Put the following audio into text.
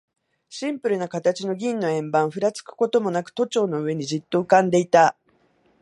シンプルな形の銀の円盤、ふらつくこともなく、都庁の上にじっと浮んでいた。